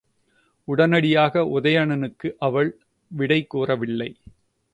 உடனடியாக உதயணனுக்கு அவள் விடை கூறவில்லை.